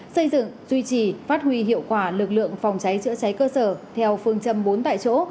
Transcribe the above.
xây dựng duy trì phát huy hiệu quả lực lượng phòng cháy chữa cháy cơ sở theo phương châm bốn tại chỗ